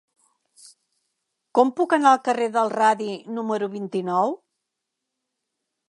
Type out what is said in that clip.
Com puc anar al carrer del Radi número vint-i-nou?